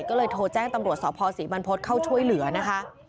ก็เลยโทรแจ้งตำรวจสภศรีบรรพฤษเข้าช่วยเหลือนะคะ